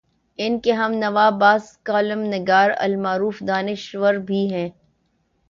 ان کے ہم نوا بعض کالم نگار المعروف دانش ور بھی ہیں۔